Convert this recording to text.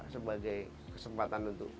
sebagai kesempatan untuk